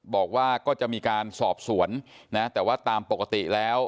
บอกว่าก็จะมีการสอบสวนนะแต่ว่าตามปกติแล้ว